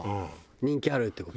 人気あるって事？